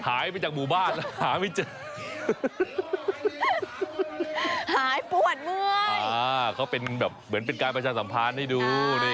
หายไปจากหมู่บ้าน